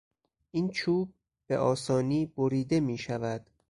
این چوب به آسانی بریده میشود.